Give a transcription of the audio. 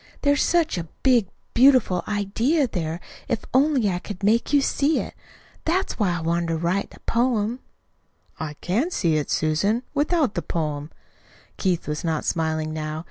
There's such a big, beautiful idea there, if only I could make you see it. That's why I wanted to write the poem." "I can see it, Susan without the poem." Keith was not smiling now.